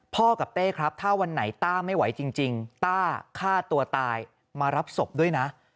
กับเต้ครับถ้าวันไหนต้าไม่ไหวจริงต้าฆ่าตัวตายมารับศพด้วยนะ